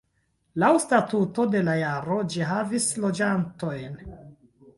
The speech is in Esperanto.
Laŭ stato de la jaro ĝi havis loĝantojn.